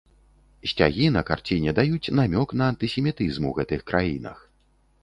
Сцягі на карціне даюць намёк на антысемітызм у гэтых краінах.